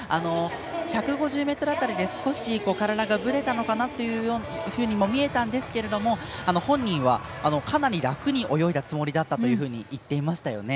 １５０ｍ辺りで少し体がぶれたのかなというふうに見えたんですけれども、本人はかなり楽に泳いだつもりだったと言っていましたよね。